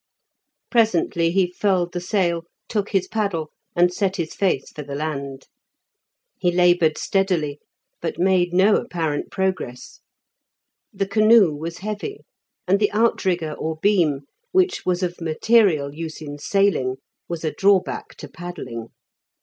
Presently he furled the sail, took his paddle, and set his face for the land. He laboured steadily, but made no apparent progress. The canoe was heavy, and the outrigger or beam, which was of material use in sailing, was a drawback to paddling.